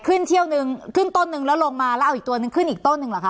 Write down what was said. เที่ยวหนึ่งขึ้นต้นนึงแล้วลงมาแล้วเอาอีกตัวนึงขึ้นอีกต้นหนึ่งเหรอคะ